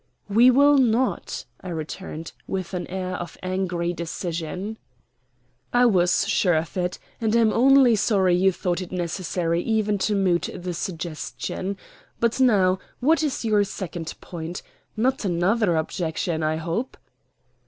"We will not," I returned, with an air of angry decision. "I was sure of it, and am only sorry you thought it necessary even to moot the suggestion. But now what is your second point? Not another objection, I hope."